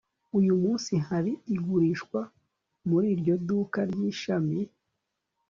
Uyu munsi hari igurishwa muri iryo duka ryishami